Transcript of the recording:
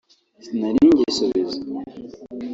sinari ngisubiza